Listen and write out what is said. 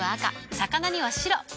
魚には白。